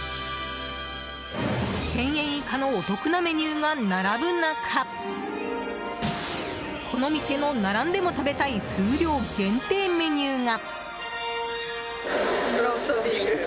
１０００円以下のお得なメニューが並ぶ中この店の並んでも食べたい数量限定メニューが。